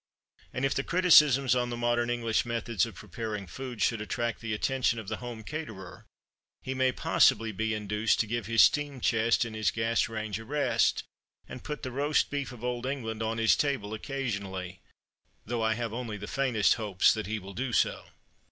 And if the criticisms on the modern English methods of preparing food should attract the attention of the home caterer, he may possibly be induced to give his steam chest and his gas range a rest, and put the roast beef of Old England on his table, occasionally; though I have only the very faintest hopes that he will do so.